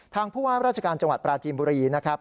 ผู้ว่าราชการจังหวัดปราจีนบุรีนะครับ